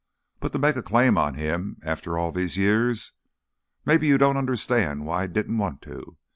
but to make a claim on him, after all these years.... Maybe you don't understand why I didn't want to."